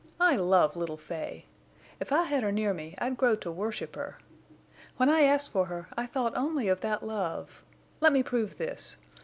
I love little Fay. If I had her near me I'd grow to worship her. When I asked for her I thought only of that love.... Let me prove this.